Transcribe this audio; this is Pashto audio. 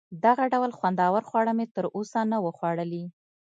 دغه ډول خوندور خواړه مې تر اوسه نه وه خوړلي.